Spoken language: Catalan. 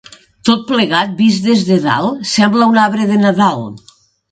Tot plegat, vist des de dalt, sembla un arbre de Nadal.